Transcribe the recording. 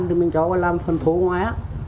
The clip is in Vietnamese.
thì mình cho nó làm phần thố ngoái